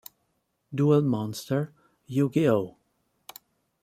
Duel Monsters, Yu-Gi-Oh!